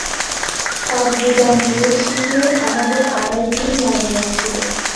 কাঠগুদাম পৌঁছিতে আমাদের আড়াই দিন লাগিয়াছিল।